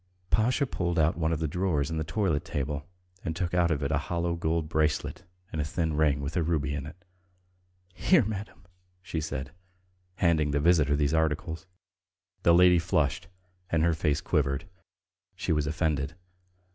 Pasha pulled out one of the drawers in the toilet table and took out of it a hollow gold bracelet and a thin ring with a ruby in it. "Here, madam!" she said, handing the visitor these articles. The lady flushed and her face quivered. She was offended.